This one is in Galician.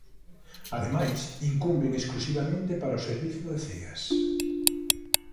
Ademais, incumben exclusivamente para o servizo de ceas.